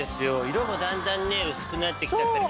色もだんだんね薄くなってきちゃったり。